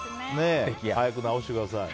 早く治してください。